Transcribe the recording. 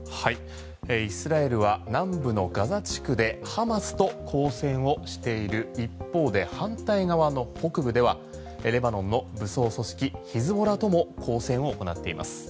イスラエルは南部のガザ地区でハマスと交戦をしている一方で反対側の北部ではレバノンの武装組織ヒズボラとも交戦を行っています。